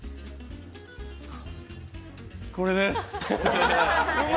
これです！